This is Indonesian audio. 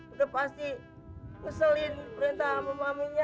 udah pasti ngeselin perintah sama maminya